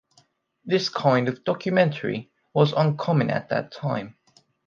This kind of documentary was uncommon at that time.